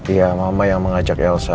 iya mama yang mengajak elsa